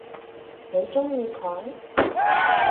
你鍾意佢？